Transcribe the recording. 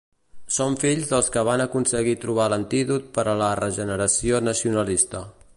Som fills dels que van aconseguir trobar l’antídot per a la regeneració nacionalista.